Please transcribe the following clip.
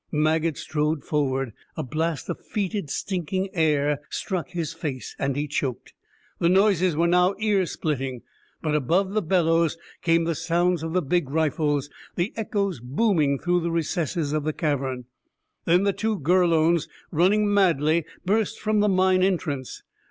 Maget strode forward. A blast of fetid, stinking air struck his face, and he choked. The noises were now ear splitting, but above the bellows came the sounds of the big rifles, the echoes booming through the recesses of the cavern. Then the two Gurlones, running madly, burst from the mine entrance.